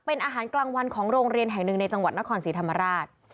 เป็นอาหารกลางวันของโรงเรียนแห่งหนึ่งในจังหวัดนครศรีธรรมราช